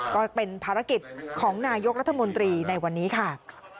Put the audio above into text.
ก็เป็นภารกิจของนายกรัฐมนตรีในวันนี้ค่ะ